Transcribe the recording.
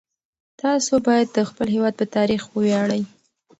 تاسو باید د خپل هیواد په تاریخ وویاړئ.